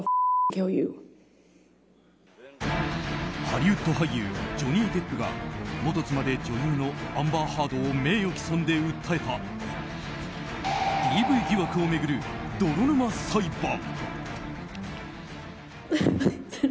ハリウッド俳優ジョニー・デップが元妻で女優のアンバー・ハードを名誉棄損で訴えたデビュー疑惑を巡る泥沼裁判。